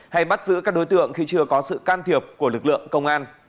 hay bắt giữ các đối tượng khi chưa có sự can thiệp của lực lượng công an